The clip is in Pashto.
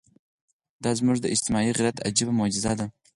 دا زموږ د اجتماعي غیرت عجیبه معجزه ده.